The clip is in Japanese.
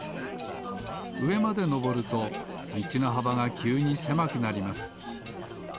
うえまでのぼるとみちのはばがきゅうにせまくなります。